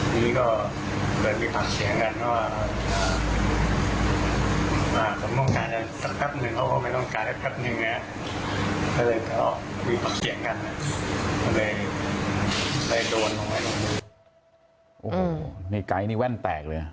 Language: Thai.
มีแปบเสียงได้เลย